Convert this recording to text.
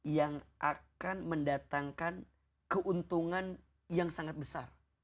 yang akan mendatangkan keuntungan yang sangat besar